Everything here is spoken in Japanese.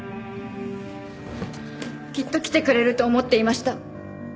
きっと来てくれると思っていました。